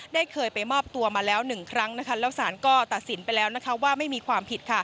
เคยไปมอบตัวมาแล้ว๑ครั้งแล้วสารก็ตัดสินไปแล้วว่าไม่มีความผิด